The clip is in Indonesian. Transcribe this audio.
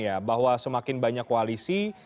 ya bahwa semakin banyak koalisi